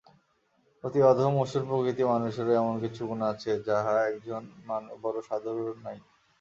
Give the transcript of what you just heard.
অতি অধম অসুরপ্রকৃতি মানুষেরও এমন কিছু গুণ আছে, যাহা একজন বড় সাধুর নাই।